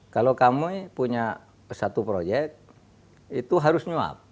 kalau kami punya satu proyek itu harus nyuap